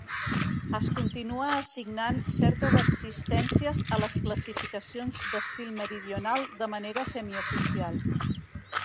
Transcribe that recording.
Es continua assignant certes existències a les classificacions d'estil meridional de manera semioficial.